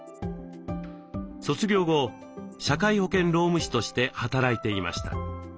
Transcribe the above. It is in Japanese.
卒業後社会保険労務士として働いていました。